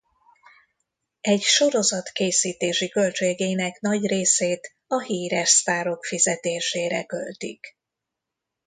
Egy sorozat készítési költségének nagy részét a híres sztárok fizetésére költik.